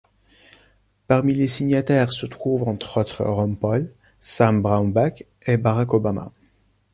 Parmi les signataires se trouve entre autres Ron Paul, Sam Brownback et Barack Obama.